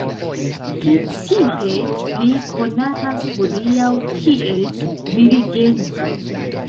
Precipe li konatas hodiaŭ kiel dirigento.